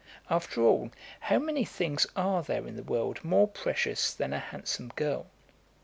After all, how many things are there in the world more precious than a handsome girl.